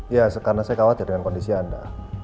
ya karena saya khawatir dengan kondisi anda